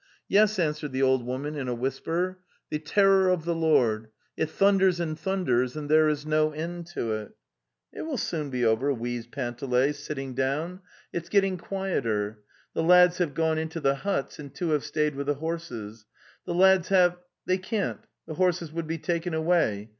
Yes," answered the old woman in a whisper. "The terror of the Lord! It thunders and thun ders, and there is no end to it." "It will soon be over," wheezed Panteley, sitting down;) "it's; gettine quieter, .... The lads) shave gone into the huts, and two have stayed with the herses, )) Phewlads have. 4). 2) Dhey ican tis. atae horses would be taken away.